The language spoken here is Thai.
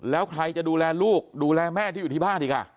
แล้วใครจะดูแลลูกดูแลแม่ที่อยู่ที่บ้านอีก